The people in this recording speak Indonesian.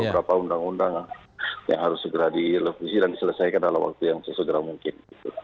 beberapa undang undang yang harus segera direvisi dan diselesaikan dalam waktu yang sesegera mungkin